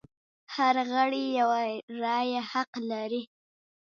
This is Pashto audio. هر غړی یوه رایه حق لري.